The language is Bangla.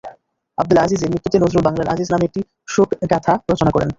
আবদুল আজীজের মৃত্যুতে নজরুল ‘বাংলার আজীজ’ নামে একটি শোকগাথা রচনা করেন।